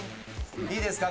いいですか？